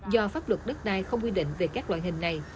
do pháp luật đất đai không quy định về các loại hình này